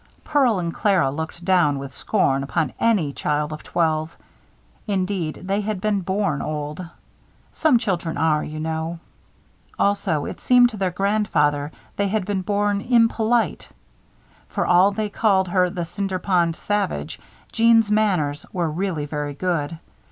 Pearl and Clara looked down, with scorn, upon any child of twelve. Indeed, they had been born old. Some children are, you know. Also, it seemed to their grandfather, they had been born impolite. For all that they called her "The Cinder Pond Savage," Jeanne's manners were really very good.